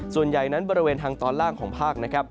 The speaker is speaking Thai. ส่วนใหญ่นั้นบริเวณทางตอนล่างของภาคนะครับ